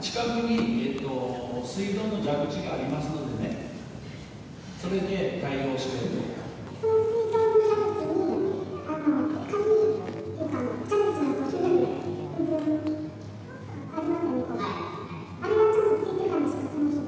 近くに水道の蛇口がありますのでね、それで対応していました。